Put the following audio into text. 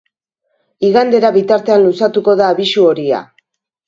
Igandera bitartean luzatuko da abisu horia.